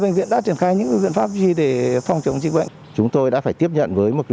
bệnh viện đã triển khai những biện pháp gì để phòng chống dịch bệnh chúng tôi đã phải tiếp nhận với một